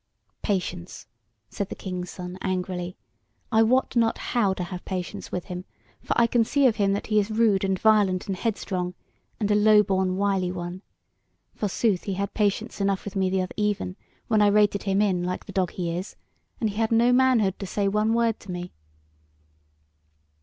"Patience!" said the King's Son, angrily; "I wot not how to have patience with him; for I can see of him that he is rude and violent and headstrong, and a low born wily one. Forsooth, he had patience enough with me the other even, when I rated him in, like the dog that he is, and he had no manhood to say one word to me.